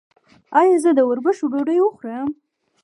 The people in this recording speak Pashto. ایا زه د وربشو ډوډۍ وخورم؟